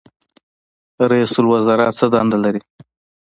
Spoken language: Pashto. رئیس الوزرا څه دندې لري؟